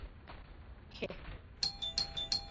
— Хе!